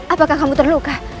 apakah kamu terluka